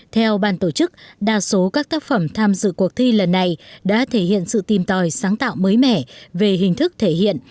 theo ban tổ chức đa số các tác phẩm tham dự cuộc thi lần này đã thể hiện sự tìm tòi sáng tạo mới mẻ về hình thức thể hiện